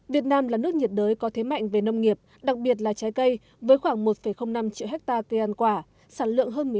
việt nam là nước nhiệt đới có thế mạnh về nông nghiệp đặc biệt là trái cây với khoảng một năm triệu hectare tiền quả sản lượng hơn một mươi hai sáu triệu tấn